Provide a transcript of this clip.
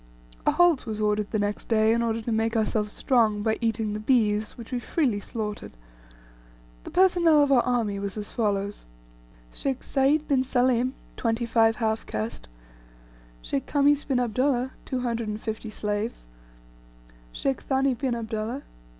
A halt was ordered the next day, in order to make ourselves strong by eating the beeves, which we freely slaughtered. The personnel of our army was as follows: Sheikh Sayd bin Salim...... 25 half caste " Khamis bin Abdullah.... 250 slaves " Thani bin Abdullah....